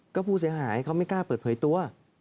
ก็ผู้เสียหายเขาไม่กล้าเปิดเผยตัว